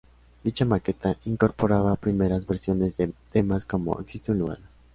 Dicha maqueta incorporaba primeras versiones de temas como "Existe un lugar".